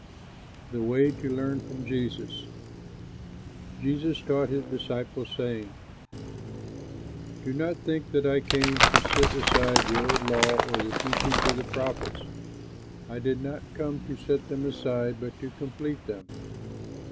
'" THE WAY TO LEARN FROM JESUS Jesus taught his disciples, saying, "Do not think that I came to set aside the old law or the teachings of the prophets. I did not come to set them aside but to complete them.